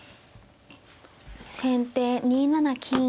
先手２七金。